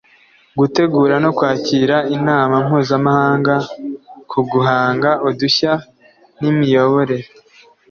gutegura no kwakira inama mpuzamahanga ku guhanga udushya n imiyoborere